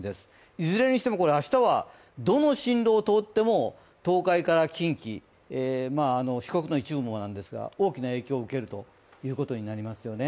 いずれにしても明日はどの進路を通っても東海から近畿四国の一部もなんですが大きな影響を受けるということなんですね。